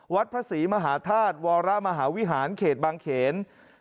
วัดพระศรีมหาธาตุวรมหาวิหารเขตบางเขน